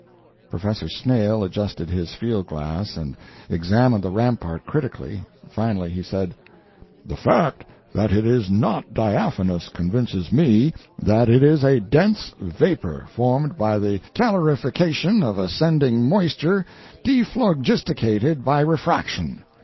Professor Snail adjusted his field glass and examined the rampart critically. Finally he said: "'The fact that it is not diaphanous convinces me that it is a dense vapor formed by the calorification of ascending moisture dephlogisticated by refraction.